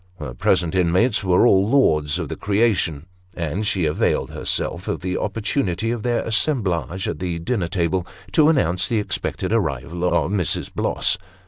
Her present inmates were all lords of the creation, and she availed herself of the opportunity of their assemblage at the dinner table, to announce the expected arrival of Mrs. Bloss.